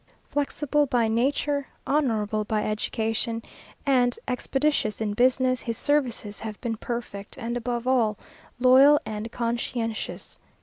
Flexible by nature, honourable by education, and expeditious in business, his services have been perfect, and above all, loyal and conscientious."